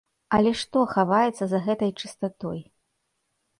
Але што хаваецца за гэтай чыстатой?